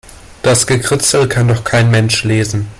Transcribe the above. Das Gekritzel kann doch kein Mensch lesen.